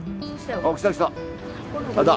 ああ来た来た。